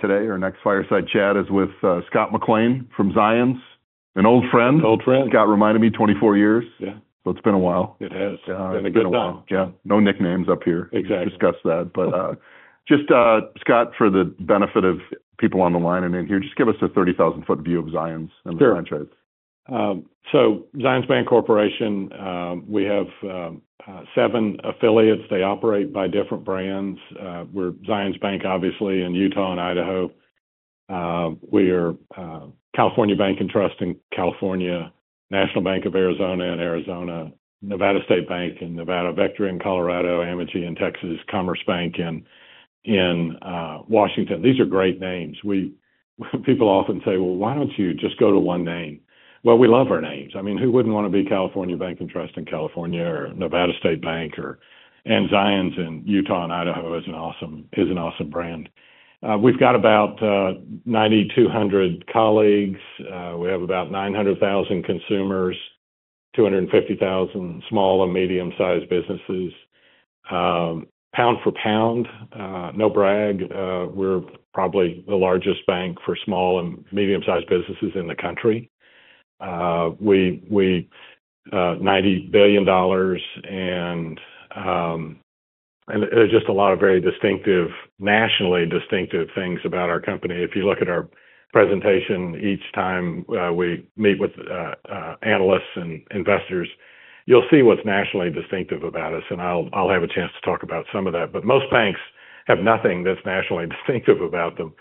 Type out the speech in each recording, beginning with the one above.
Today, our next fireside chat is with Scott McLean from Zions. An old friend. An old friend. Scott reminded me 24 years. Yeah. It's been a while. It has. Yeah. It's been a good time. Yeah. No nicknames up here. Exactly. Discuss that. Just, Scott, for the benefit of people on the line and in here, just give us a 30,000-foot view of Zions, the franchise. Zions Bancorporation, we have seven affiliates. They operate by different brands. We're Zions Bank, obviously, in Utah and Idaho. We're California Bank & Trust in California, National Bank of Arizona in Arizona, Nevada State Bank in Nevada, Vectra Bank Colorado in Colorado, Amegy Bank in Texas, The Commerce Bank of Washington in Washington. These are great names. People often say, "Well, why don't you just go to one name?" Well, we love our names. I mean, who wouldn't wanna be California Bank & Trust in California or Nevada State Bank or Zions in Utah and Idaho is an awesome brand. We've got about 9,200 colleagues. We have about 900,000 consumers, 250,000 small and medium-sized businesses. Pound for pound, no brag, we're probably the largest bank for small and medium-sized businesses in the country. We $90 billion and there's just a lot of very distinctive, nationally distinctive things about our company. If you look at our presentation each time we meet with analysts and investors, you'll see what's nationally distinctive about us, and I'll have a chance to talk about some of that. Most banks have nothing that's nationally distinctive about them.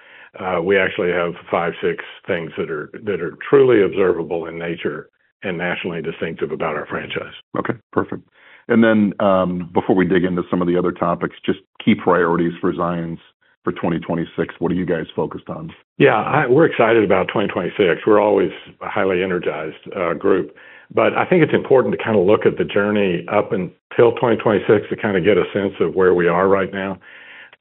We actually have five, six things that are truly observable in nature and nationally distinctive about our franchise. Okay, perfect. Before we dig into some of the other topics, just key priorities for Zions for 2026. What are you guys focused on? Yeah, we're excited about 2026. We're always a highly energized group. I think it's important to kind of look at the journey up until 2026 to kind of get a sense of where we are right now.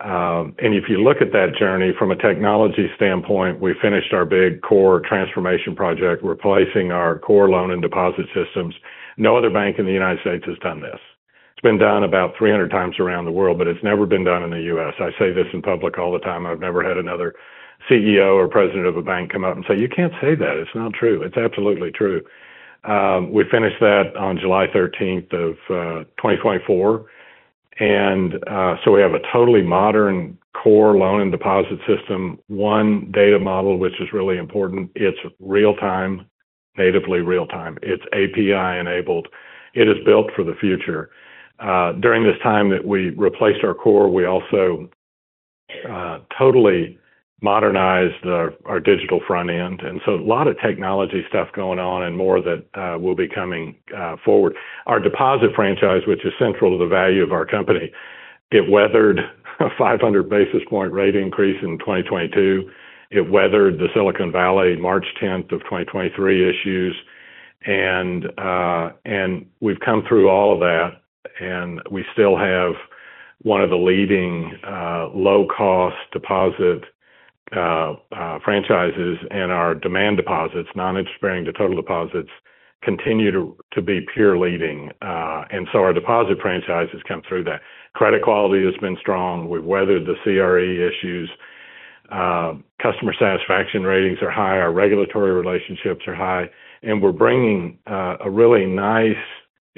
If you look at that journey from a technology standpoint, we finished our big core transformation project, replacing our core loan and deposit systems. No other bank in the United States has done this. It's been done about 300 times around the world, but it's never been done in the U.S. I say this in public all the time, I've never had another CEO or president of a bank come up and say, "You can't say that. It's not true." It's absolutely true. We finished that on July thirteenth of 2024. We have a totally modern core loan and deposit system. One data model, which is really important. It's real-time, natively real-time. It's API-enabled. It is built for the future. During this time that we replaced our core, we also totally modernized our digital front end. A lot of technology stuff going on and more that will be coming forward. Our deposit franchise, which is central to the value of our company, weathered a 500 basis point rate increase in 2022. It weathered the Silicon Valley Bank March 10, 2023 issues. We've come through all of that, and we still have one of the leading low-cost deposit franchises. Our demand deposits, non-interest-bearing to total deposits, continue to be peer leading. Our deposit franchise has come through that. Credit quality has been strong. We've weathered the CRE issues. Customer satisfaction ratings are high. Our regulatory relationships are high. We're bringing a really nice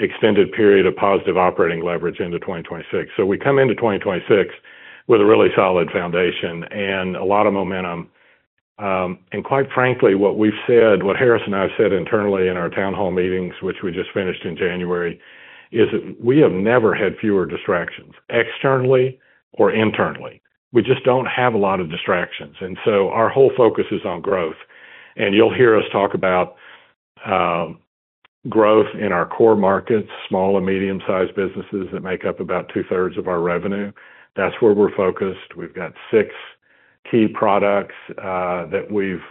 extended period of positive operating leverage into 2026. We come into 2026 with a really solid foundation and a lot of momentum. Quite frankly, what we've said, what Harris and I have said internally in our town hall meetings, which we just finished in January, is that we have never had fewer distractions, externally or internally. We just don't have a lot of distractions. Our whole focus is on growth. You'll hear us talk about growth in our core markets, small and medium-sized businesses that make up about 2/3 of our revenue. That's where we're focused. We've got six key products that we've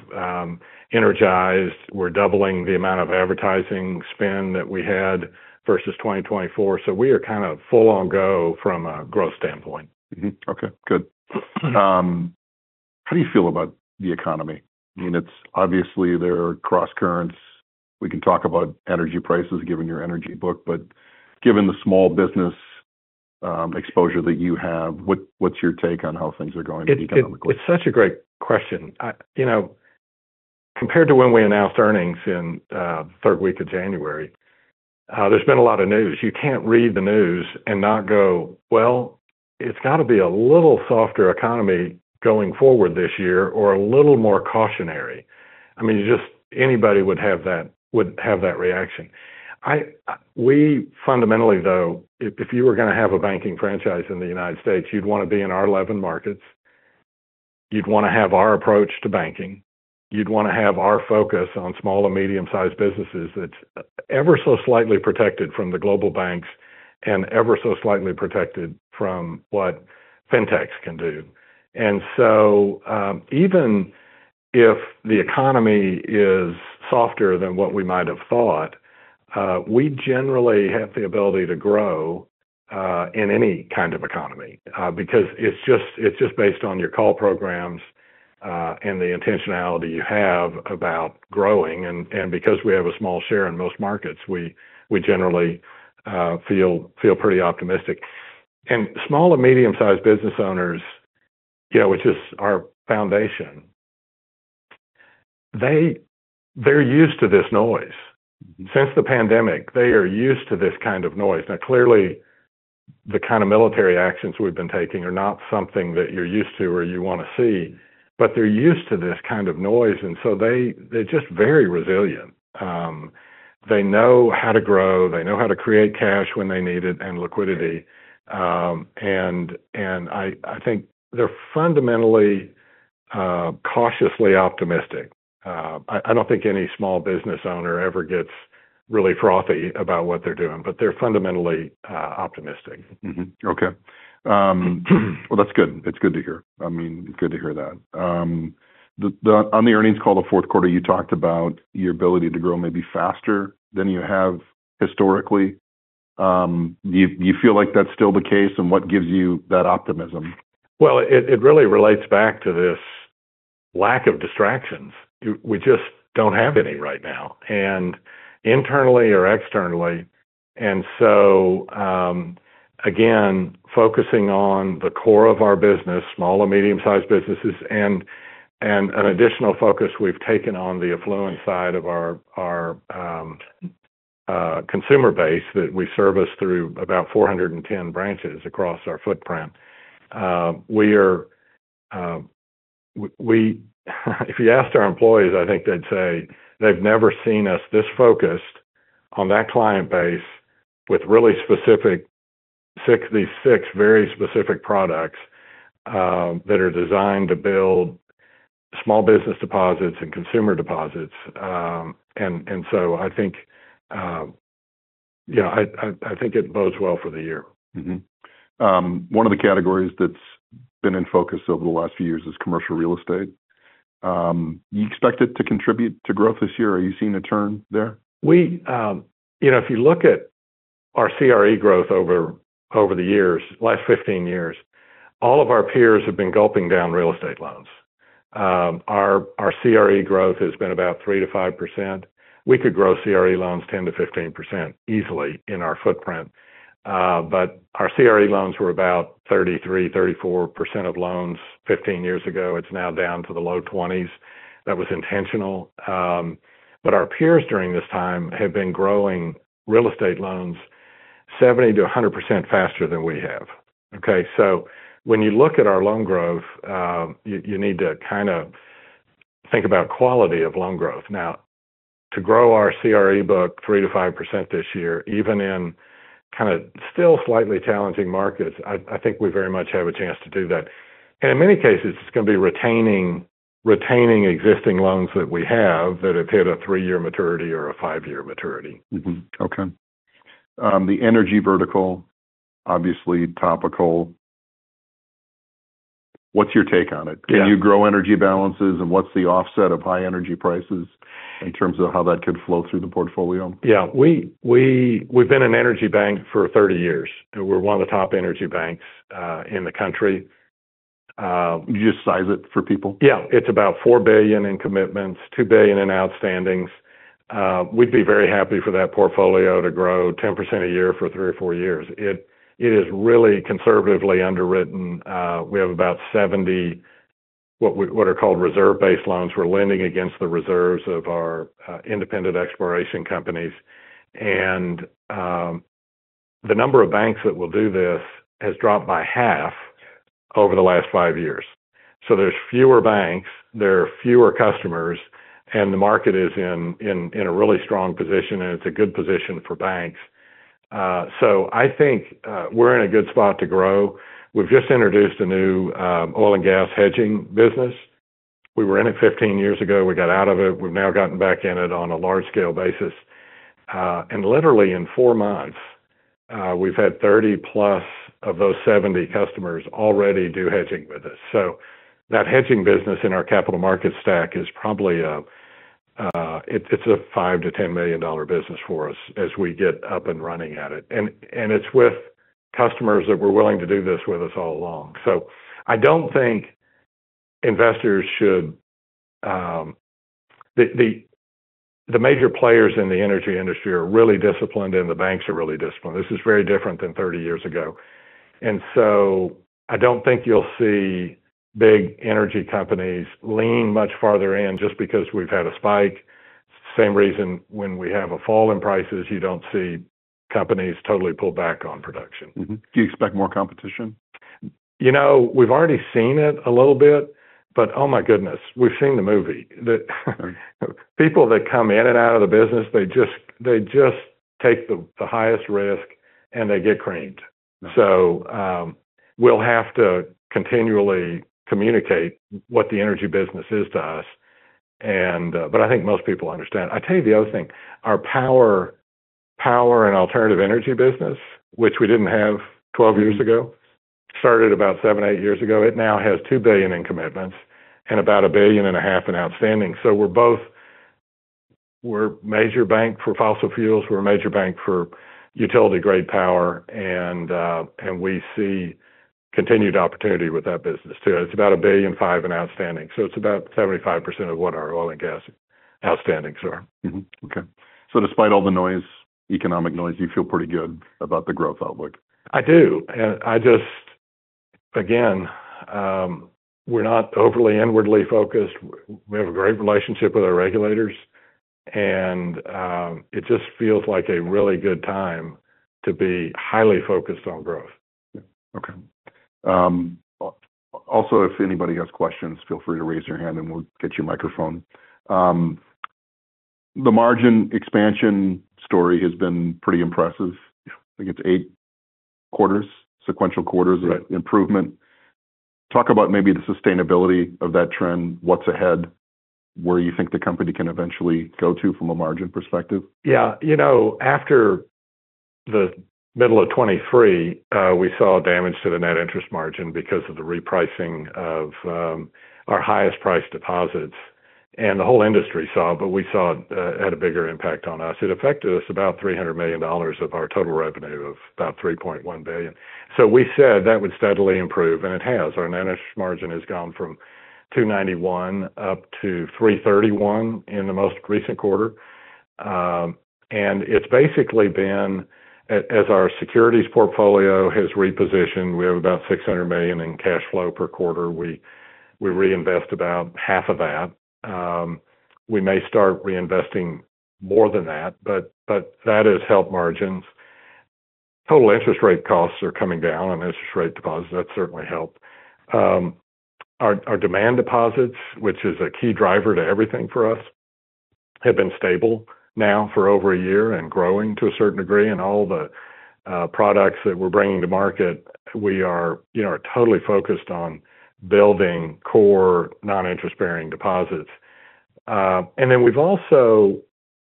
energized. We're doubling the amount of advertising spend that we had versus 2024. We are kind of full on go from a growth standpoint. Okay, good. How do you feel about the economy? I mean, it's obviously there are crosscurrents. We can talk about energy prices given your energy book. Given the small business exposure that you have, what's your take on how things are going economically? It's such a great question. You know, compared to when we announced earnings in third week of January, there's been a lot of news. You can't read the news and not go, "Well, it's gotta be a little softer economy going forward this year or a little more cautionary." I mean, just anybody would have that reaction. We fundamentally, though, if you were gonna have a banking franchise in the United States, you'd wanna be in our 11 markets. You'd wanna have our approach to banking. You'd wanna have our focus on small and medium-sized businesses that's ever so slightly protected from the global banks and ever so slightly protected from what fintechs can do. Even if the economy is softer than what we might have thought, we generally have the ability to grow in any kind of economy because it's just based on your core programs and the intentionality you have about growing. Because we have a small share in most markets, we generally feel pretty optimistic. Small- or medium-sized business owners, you know, which is our foundation, they're used to this noise. Since the pandemic, they are used to this kind of noise. Clearly, the kind of military actions we've been taking are not something that you're used to or you wanna see, but they're used to this kind of noise, so they're just very resilient. They know how to grow. They know how to create cash when they need it and liquidity. I think they're fundamentally cautiously optimistic. I don't think any small business owner ever gets really frothy about what they're doing, but they're fundamentally optimistic. Okay. Well, that's good. It's good to hear. I mean, it's good to hear that. On the Q4 earnings call, you talked about your ability to grow maybe faster than you have historically. Do you feel like that's still the case, and what gives you that optimism? Well, it really relates back to this lack of distractions. We just don't have any right now, and internally or externally. Again, focusing on the core of our business, small or medium-sized businesses and an additional focus we've taken on the affluent side of our consumer base that we service through about 410 branches across our footprint. If you asked our employees, I think they'd say they've never seen us this focused on that client base with these six very specific products that are designed to build small business deposits and consumer deposits. I think it bodes well for the year. One of the categories that's been in focus over the last few years is commercial real estate. Do you expect it to contribute to growth this year? Are you seeing a turn there? We, you know, if you look at our CRE growth over the years, last 15 years, all of our peers have been gulping down real estate loans. Our CRE growth has been about 3%-5%. We could grow CRE loans 10%-15% easily in our footprint. But our CRE loans were about 33-34% of loans 15 years ago. It's now down to the low 20s. That was intentional. But our peers during this time have been growing real estate loans 70%-100% faster than we have, okay. When you look at our loan growth, you need to kind of think about quality of loan growth. Now, to grow our CRE book 3%-5% this year, even in kind of still slightly challenging markets, I think we very much have a chance to do that. In many cases, it's gonna be retaining existing loans that we have that have hit a three-year maturity or a five-year maturity. Okay. The energy vertical, obviously topical. What's your take on it? Yeah. Can you grow energy balances, and what's the offset of high energy prices in terms of how that could flow through the portfolio? Yeah. We've been an energy bank for 30 years. We're one of the top energy banks in the country. Would you size it for people? Yeah. It's about $4 billion in commitments, $2 billion in outstandings. We'd be very happy for that portfolio to grow 10% a year for three or four years. It is really conservatively underwritten. We have about 70, what are called reserve-based loans. We're lending against the reserves of our independent exploration companies. The number of banks that will do this has dropped by half over the last five years. There's fewer banks, there are fewer customers, and the market is in a really strong position, and it's a good position for banks. I think we're in a good spot to grow. We've just introduced a new oil and gas hedging business. We were in it 15 years ago. We got out of it. We've now gotten back in it on a large scale basis. Literally in four months, we've had 30+ of those 70 customers already do hedging with us. That hedging business in our capital market stack is probably it's a $5 million-$10 million business for us as we get up and running at it. It's with customers that were willing to do this with us all along. I don't think investors should. The major players in the energy industry are really disciplined, and the banks are really disciplined. This is very different than 30 years ago. I don't think you'll see big energy companies lean much farther in just because we've had a spike. Same reason when we have a fall in prices, you don't see companies totally pull back on production. Do you expect more competition? You know, we've already seen it a little bit, but oh my goodness, we've seen the movie. Right. People that come in and out of the business, they just take the highest risk, and they get creamed. Right. We'll have to continually communicate what the energy business is to us. I think most people understand. I tell you the other thing, our power and alternative energy business, which we didn't have 12 years ago, started about seven, eight years ago. It now has $2 billion in commitments and about $1.5 billion in outstanding. We're a major bank for fossil fuels. We're a major bank for utility grade power, and we see continued opportunity with that business too. It's about $1.5 billion in outstanding, so it's about 75% of what our oil and gas outstanding, sure. Okay. Despite all the noise, economic noise, you feel pretty good about the growth outlook? I do. Again, we're not overly inwardly focused. We have a great relationship with our regulators, and it just feels like a really good time to be highly focused on growth. Yeah. Okay. Also, if anybody has questions, feel free to raise your hand, and we'll get you a microphone. The margin expansion story has been pretty impressive. Yeah. I think it's eight quarters, sequential quarters of improvement. Talk about maybe the sustainability of that trend, what's ahead, where you think the company can eventually go to from a margin perspective? Yeah. You know, after the middle of 2023, we saw damage to the net interest margin because of the repricing of our highest priced deposits. The whole industry saw, but we saw it had a bigger impact on us. It affected us about $300 million of our total revenue of about $3.1 billion. We said that would steadily improve, and it has. Our net interest margin has gone from 2.91% up to 3.31% in the most recent quarter. It's basically been as our securities portfolio has repositioned, we have about $600 million in cash flow per quarter. We reinvest about half of that. We may start reinvesting more than that, but that has helped margins. Total interest rate costs are coming down on interest rate deposits. That certainly helped. Our demand deposits, which is a key driver to everything for us, have been stable now for over a year and growing to a certain degree. All the products that we're bringing to market, we are, you know, totally focused on building core non-interest-bearing deposits. Then we've also,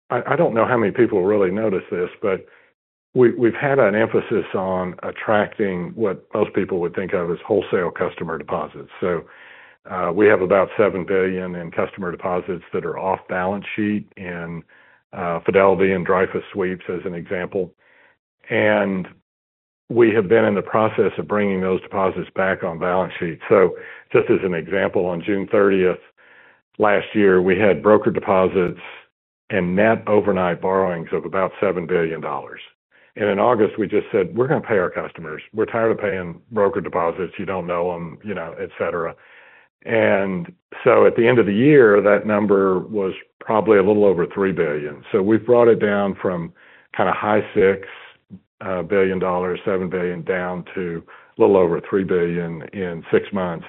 I don't know how many people really notice this, but we've had an emphasis on attracting what most people would think of as wholesale customer deposits. We have about $7 billion in customer deposits that are off balance sheet in Fidelity and Dreyfus sweeps, as an example. We have been in the process of bringing those deposits back on balance sheet. Just as an example, on June thirtieth last year, we had brokered deposits and net overnight borrowings of about $7 billion. In August, we just said, "We're gonna pay our customers. We're tired of paying brokered deposits. You don't know them," you know, et cetera. At the end of the year, that number was probably a little over $3 billion. We've brought it down from kind of high $6 billion, $7 billion, down to a little over $3 billion in six months.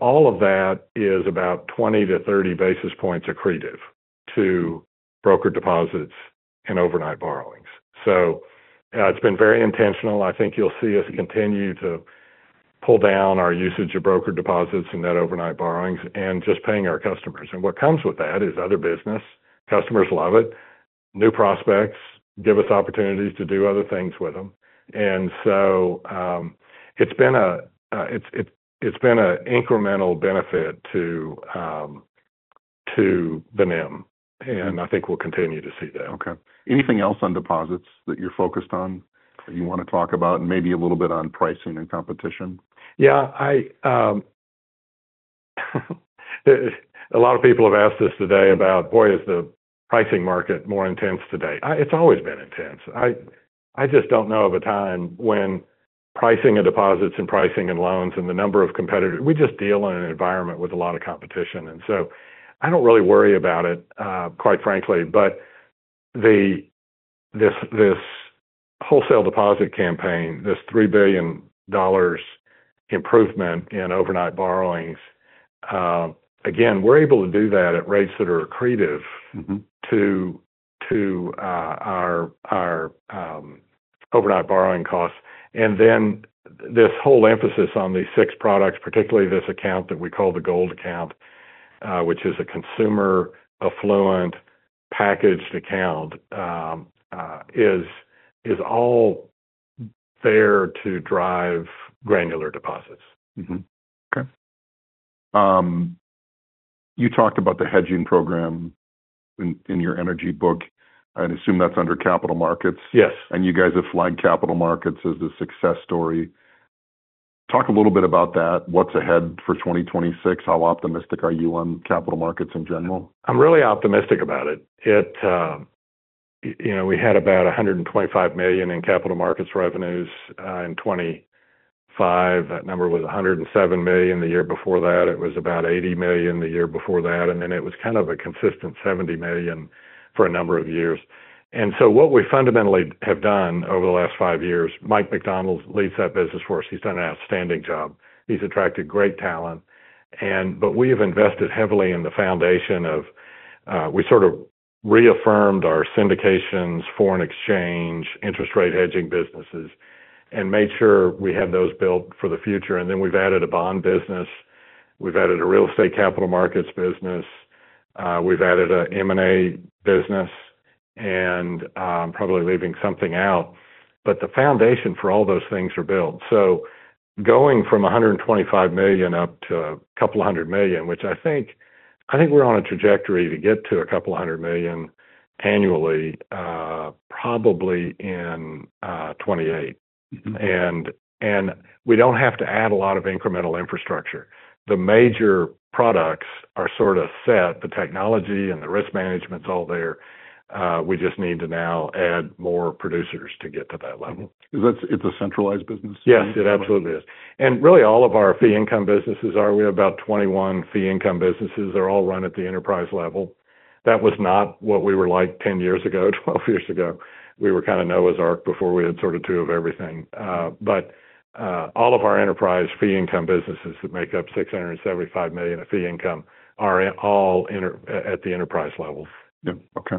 All of that is about 20-30 basis points accretive to brokered deposits and overnight borrowings. It's been very intentional. I think you'll see us continue to pull down our usage of brokered deposits and net overnight borrowings and just paying our customers. What comes with that is other business. Customers love it. New prospects give us opportunities to do other things with them. It's been a incremental benefit to the NIM, and I think we'll continue to see that. Okay. Anything else on deposits that you're focused on that you wanna talk about? Maybe a little bit on pricing and competition. Yeah. I, a lot of people have asked us today about, boy, is the pricing market more intense today. It's always been intense. I just don't know of a time when pricing of deposits and pricing in loans and the number of competitors. We just deal in an environment with a lot of competition. I don't really worry about it, quite frankly. This wholesale deposit campaign, this $3 billion improvement in overnight borrowings, again, we're able to do that at rates that are accretive. Mm-hmm. to our overnight borrowing costs. This whole emphasis on these six products, particularly this account that we call the Gold Account, which is a consumer affluent packaged account, is all there to drive granular deposits. Okay. You talked about the hedging program in your energy book. I'd assume that's under capital markets. Yes. You guys have flagged capital markets as a success story. Talk a little bit about that. What's ahead for 2026? How optimistic are you on capital markets in general? I'm really optimistic about it. It, you know, we had about $125 million in capital markets revenues in 2025. That number was $107 million the year before that. It was about $80 million the year before that. It was kind of a consistent $70 million for a number of years. What we fundamentally have done over the last five years, Michael MacDonald leads that business for us. He's done an outstanding job. He's attracted great talent. We have invested heavily in the foundation of, we sort of reaffirmed our syndications, foreign exchange, interest rate hedging businesses, and made sure we have those built for the future. We've added a bond business, we've added a real estate capital markets business, we've added a M&A business, and probably leaving something out. The foundation for all those things are built. Going from $125 million up to a couple hundred million, which I think we're on a trajectory to get to a couple hundred million annually, probably in 2028. Mm-hmm. We don't have to add a lot of incremental infrastructure. The major products are sort of set. The technology and the risk management's all there. We just need to now add more producers to get to that level. It's a centralized business? Yes, it absolutely is. Really all of our fee income businesses are. We have about 21 fee income businesses. They're all run at the enterprise level. That was not what we were like 10 years ago, 12 years ago. We were kind of Noah's Ark before we had sort of two of everything. All of our enterprise fee income businesses that make up $675 million of fee income are all integrated at the enterprise levels. Yeah. Okay.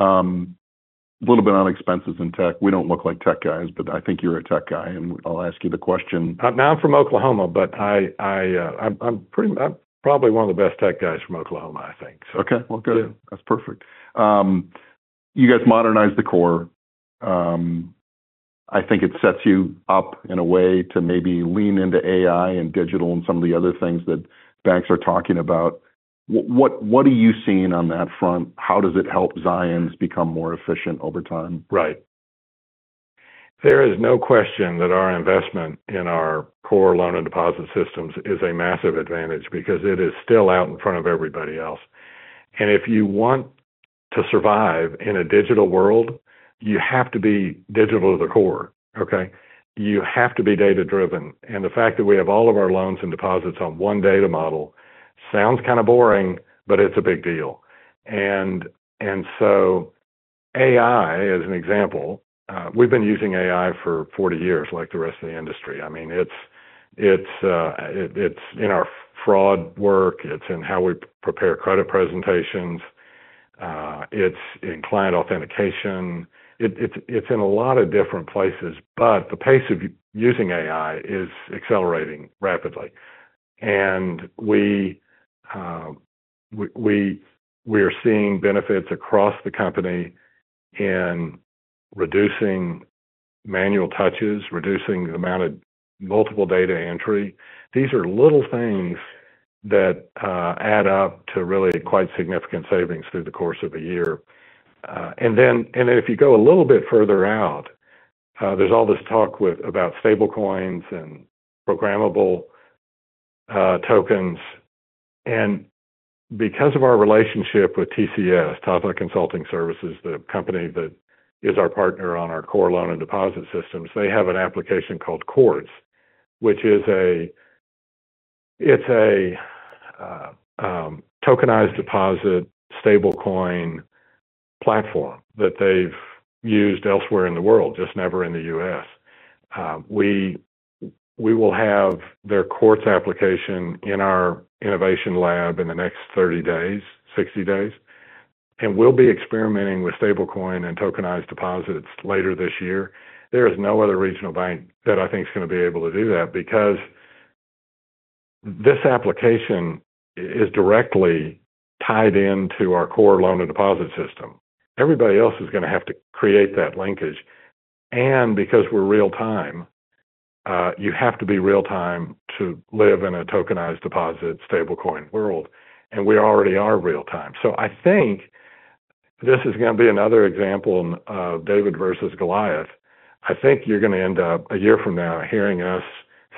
A little bit on expenses in tech. We don't look like tech guys, but I think you're a tech guy, and I'll ask you the question. Now I'm from Oklahoma, but I'm probably one of the best tech guys from Oklahoma, I think. Okay. Well, good. Yeah. That's perfect. You guys modernized the core. I think it sets you up in a way to maybe lean into AI and digital and some of the other things that banks are talking about. What are you seeing on that front? How does it help Zions become more efficient over time? Right. There is no question that our investment in our core loan and deposit systems is a massive advantage because it is still out in front of everybody else. If you want to survive in a digital world, you have to be digital to the core. Okay? You have to be data-driven. The fact that we have all of our loans and deposits on one data model sounds kind of boring, but it's a big deal. AI, as an example, we've been using AI for 40 years like the rest of the industry. I mean, it's in our fraud work, it's in how we prepare credit presentations, it's in client authentication. It's in a lot of different places, but the pace of using AI is accelerating rapidly. We're seeing benefits across the company in reducing manual touches, reducing the amount of multiple data entry. These are little things that add up to really quite significant savings through the course of a year. If you go a little bit further out, there's all this talk about stablecoins and programmable tokens. Because of our relationship with TCS, Tata Consultancy Services, the company that is our partner on our core loan and deposit systems, they have an application called Quartz, which is a tokenized deposit stablecoin platform that they've used elsewhere in the world, just never in the U.S. We will have their Quartz application in our innovation lab in the next 30 days, 60 days, and we'll be experimenting with stable coin and tokenized deposits later this year. There is no other regional bank that I think is gonna be able to do that because this application is directly tied into our core loan and deposit system. Everybody else is gonna have to create that linkage. Because we're real time, you have to be real time to live in a tokenized deposit stable coin world, and we already are real time. I think this is gonna be another example of David versus Goliath. I think you're gonna end up a year from now hearing us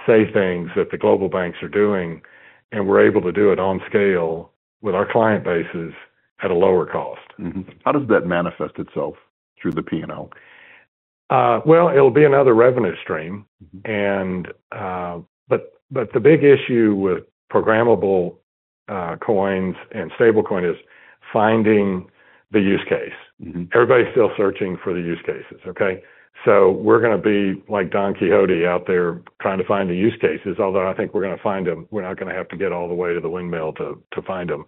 say things that the global banks are doing, and we're able to do it on scale with our client bases at a lower cost. How does that manifest itself through the P&L? Well, it'll be another revenue stream. The big issue with programmable coins and stablecoin is finding the use case. Everybody's still searching for the use cases, okay? We're gonna be like Don Quixote out there trying to find the use cases, although I think we're gonna find them. We're not gonna have to get all the way to the windmill to find them.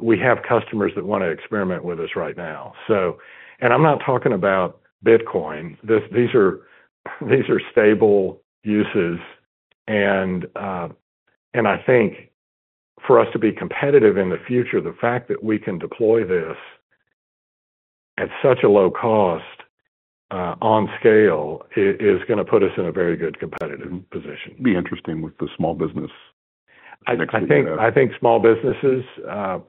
We have customers that wanna experiment with us right now. I'm not talking about Bitcoin. These are stable uses and I think for us to be competitive in the future, the fact that we can deploy this at such a low cost on scale is gonna put us in a very good competitive position. Be interesting with the small business. I think small businesses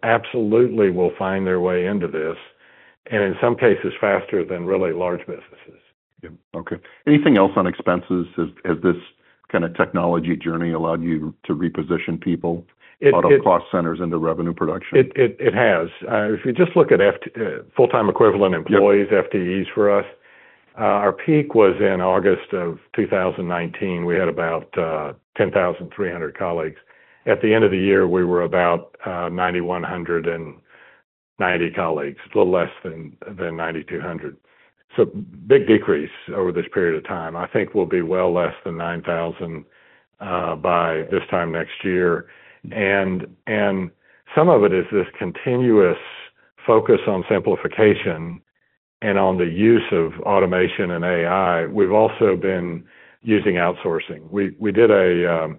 absolutely will find their way into this, and in some cases faster than really large businesses. Yeah. Okay. Anything else on expenses? Has this kinda technology journey allowed you to reposition people- out of cost centers into revenue production? It has. If you just look at full-time equivalent employees. Yeah. FTEs for us, our peak was in August of 2019. We had about 10,300 colleagues. At the end of the year, we were about 9,190 colleagues, a little less than 9,200. Big decrease over this period of time. I think we'll be well less than 9,000 by this time next year. Some of it is this continuous focus on simplification and on the use of automation and AI. We've also been using outsourcing. We did a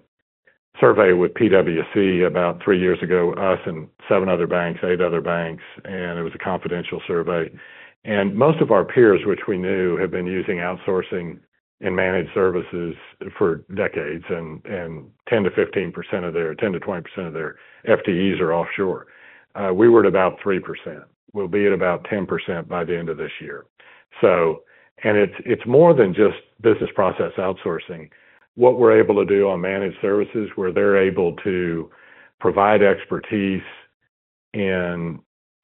survey with PwC about three years ago, us and seven other banks, eight other banks, and it was a confidential survey. Most of our peers, which we knew have been using outsourcing and managed services for decades, and 10%-20% of their FTEs are offshore. We were at about 3%. We'll be at about 10% by the end of this year. It's more than just business process outsourcing. What we're able to do on managed services, where they're able to provide expertise in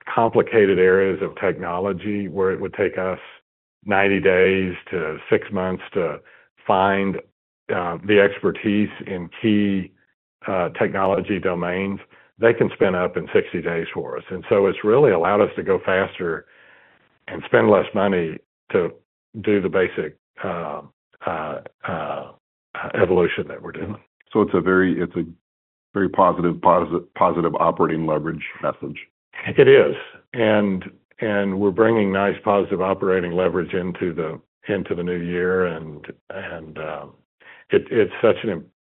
complicated areas of technology, where it would take us 90 days to six months to find the expertise in key technology domains, they can spin up in 60 days for us. It's really allowed us to go faster and spend less money to do the basic evolution that we're doing. It's a very positive operating leverage message. It is. We're bringing nice positive operating leverage into the new year.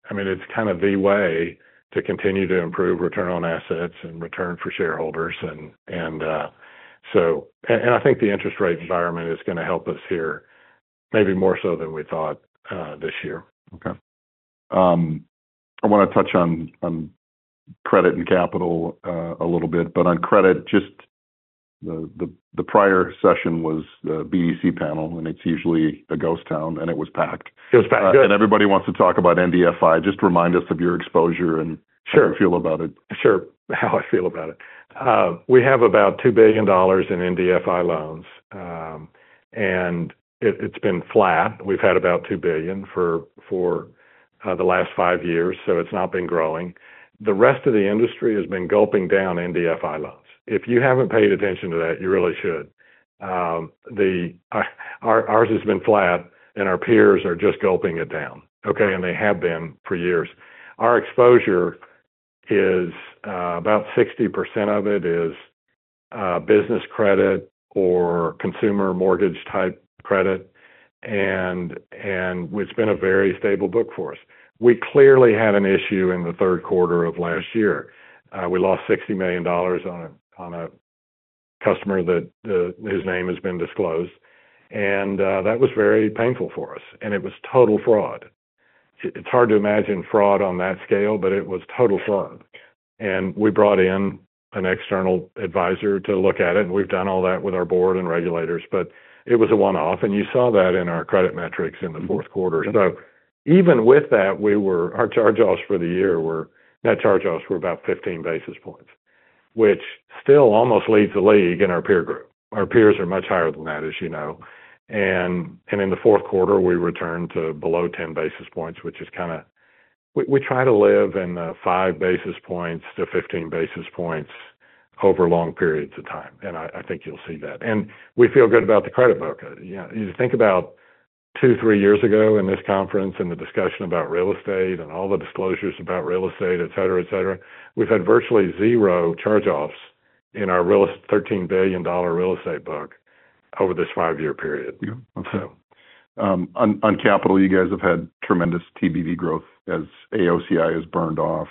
I mean, it's kind of the way to continue to improve return on assets and return for shareholders. I think the interest rate environment is gonna help us here maybe more so than we thought this year. Okay. I wanna touch on credit and capital a little bit. On credit, just the prior session was the CRE panel, and it's usually a ghost town, and it was packed. It was packed, yeah. Everybody wants to talk about Multifamily. Just remind us of your exposure and- Sure. How you feel about it. Sure. How I feel about it. We have about $2 billion in Multifamily loans, and it's been flat. We've had about $2 billion for the last five years, so it's not been growing. The rest of the industry has been gulping down Multifamily loans. If you haven't paid attention to that, you really should. Ours has been flat and our peers are just gulping it down. Okay. They have been for years. Our exposure is about 60% of it is business credit or consumer mortgage type credit, and it's been a very stable book for us. We clearly had an issue in the Q3 of last year. We lost $60 million on a customer that his name has been disclosed. That was very painful for us, and it was total fraud. It's hard to imagine fraud on that scale, but it was total fraud. We brought in an external advisor to look at it, and we've done all that with our board and regulators, but it was a one-off, and you saw that in our credit metrics in the Q4 Even with that, our net charge-offs for the year were about 15 basis points, which still almost leads the league in our peer group. Our peers are much higher than that, as you know. In the Q4, we returned to below 10 basis points. We try to live in 5 to 15 basis points over long periods of time, and I think you'll see that. We feel good about the credit book. You know, you think about two, three years ago in this conference and the discussion about real estate and all the disclosures about real estate, et cetera, et cetera. We've had virtually zero charge-offs in our $13 billion real estate book over this five-year period. Yeah. Okay. On capital, you guys have had tremendous TBV growth as AOCI has burned off.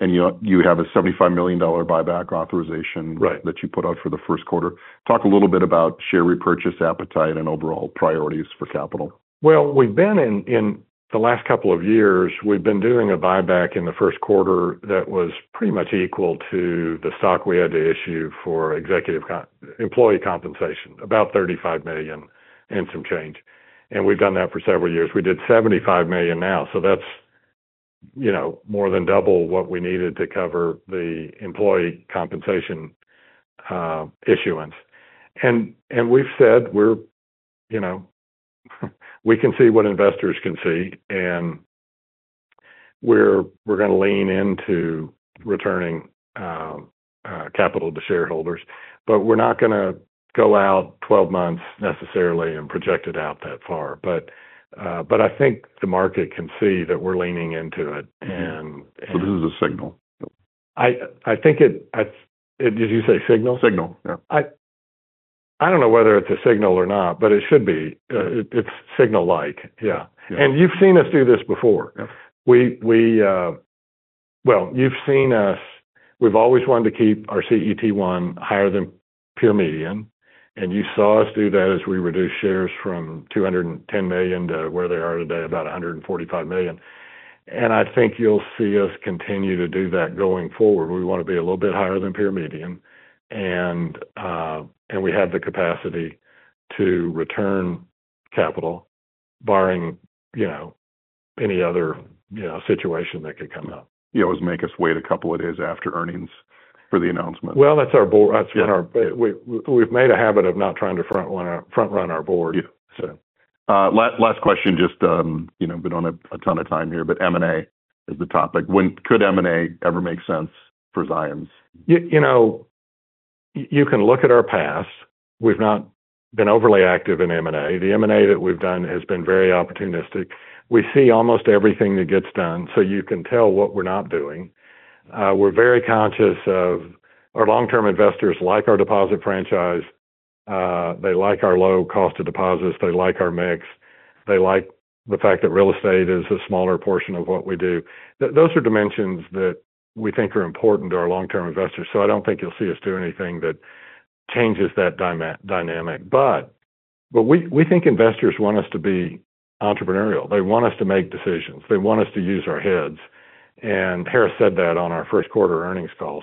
You have a $75 million buyback authorization. Right. that you put out for the Q1. Talk a little bit about share repurchase appetite and overall priorities for capital. Well, we've been in the last couple of years, we've been doing a buyback in the Q1 that was pretty much equal to the stock we had to issue for employee compensation, about $35 million and some change. We've done that for several years. We did $75 million now, so that's, you know, more than double what we needed to cover the employee compensation issuance. We've said we're, you know, we can see what investors can see, and we're gonna lean into returning capital to shareholders. We're not gonna go out twelve months necessarily and project it out that far. I think the market can see that we're leaning into it. This is a signal? I think it. Did you say signal? Signal, yeah. I don't know whether it's a signal or not, but it should be. It's signal-like. Yeah. Yeah. You've seen us do this before. Yeah. Well, you've seen us. We've always wanted to keep our CET-1 higher than peer median. You saw us do that as we reduced shares from 210 million to where they are today, about 145 million. I think you'll see us continue to do that going forward. We wanna be a little bit higher than peer median, and we have the capacity to return capital barring, you know, any other, you know, situation that could come up. You always make us wait a couple of days after earnings for the announcement. Well, that's our board. That's been our. Yeah. We've made a habit of not trying to front run our board. Yeah. So. Last question, just, you know, we don't have a ton of time here, but M&A is the topic. When could M&A ever make sense for Zions? You know, you can look at our past. We've not been overly active in M&A. The M&A that we've done has been very opportunistic. We see almost everything that gets done, so you can tell what we're not doing. We're very conscious of our long-term investors like our deposit franchise. They like our low cost of deposits. They like our mix. They like the fact that real estate is a smaller portion of what we do. Those are dimensions that we think are important to our long-term investors. I don't think you'll see us do anything that changes that dynamic. But we think investors want us to be entrepreneurial. They want us to make decisions. They want us to use our heads. Harris said that on our Q1 earnings call.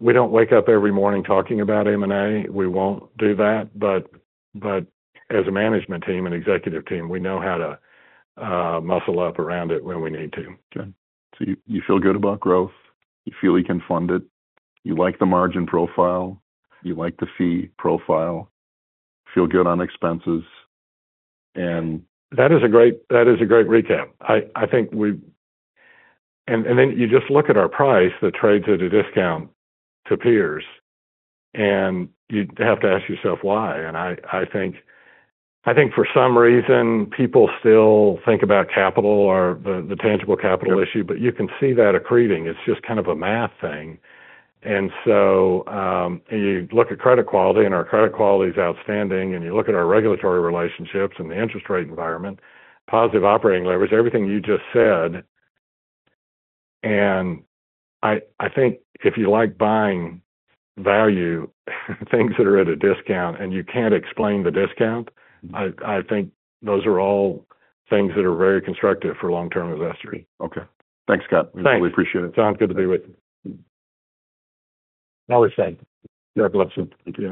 We don't wake up every morning talking about M&A. We won't do that. As a management team and executive team, we know how to muscle up around it when we need to. Okay. You feel good about growth. You feel you can fund it. You like the margin profile. You like the fee profile. Feel good on expenses. That is a great recap. I think, then you just look at our price that trades at a discount to peers, and you have to ask yourself why. I think for some reason, people still think about capital or the tangible capital issue. Yeah. you can see that accreting. It's just kind of a math thing. You look at credit quality, and our credit quality is outstanding. You look at our regulatory relationships and the interest rate environment, positive operating leverage, everything you just said. I think if you like buying value, things that are at a discount and you can't explain the discount, I think those are all things that are very constructive for long-term investing. Okay. Thanks, Scott. Thanks. We appreciate it. John, good to be with you. That was said. Yeah. Glad to. Thank you.